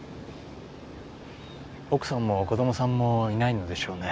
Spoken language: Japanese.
奥さんも子供さんもいないのでしょうね？